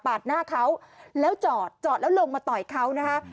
หน้าเขาแล้วจอดจอดแล้วลงมาต่อยเขานะคะ